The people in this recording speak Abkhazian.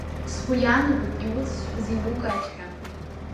Сгәы иаанагоит иуҵасҳәаз еилукааит ҳәа!